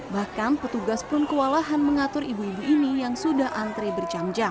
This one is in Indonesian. bahkan petugas pun kewalahan mengatur ibu ibu ini yang sudah antre berjam jam